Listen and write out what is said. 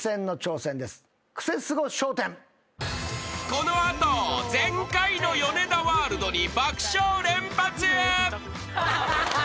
［この後全開のヨネダワールドに爆笑連発］